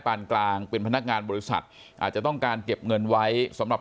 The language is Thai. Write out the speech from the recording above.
กลางเป็นพนักงานบริษัทอาจจะต้องการเก็บเงินไว้สำหรับ